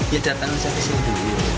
ya datang saya ke sini